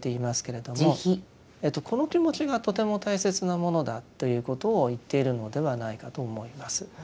この気持ちがとても大切なものだということを言っているのではないかと思います。